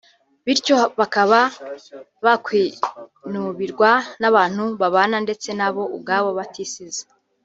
bityo bakaba bakwinubirwa n’abantu babana ndetse nabo ubwabo batisize